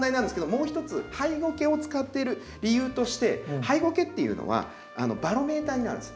もう一つハイゴケを使ってる理由としてハイゴケっていうのはバロメーターになるんです。